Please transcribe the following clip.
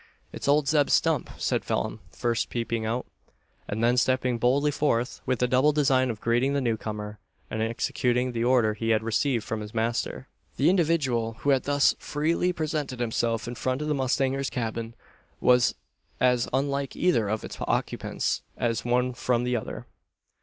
"It's owld Zeb Stump," said Phelim, first peeping out, and then stepping boldly forth with the double design of greeting the new comer, and executing the order he had received from his master. The individual, who had thus freely presented himself in front of the mustanger's cabin, was as unlike either of its occupants, as one from the other.